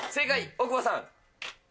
大久保さん。